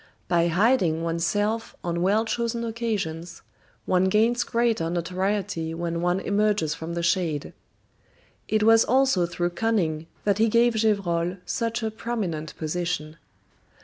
By hiding one's self on well chosen occasions, one gains greater notoriety when one emerges from the shade. It was also through cunning that he gave Gevrol such a prominent position.